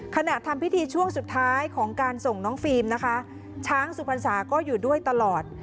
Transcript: ขณะทำพิธีช่วงสุดท้ายของการส่งน้องฟิล์มนะคะช้างสุพรรษาก็อยู่ด้วยตลอด